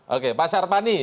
oke pak sarpani